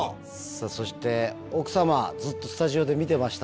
そして奥様ずっとスタジオで見てました。